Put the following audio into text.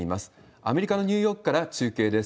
アメリカのニューヨークから中継です。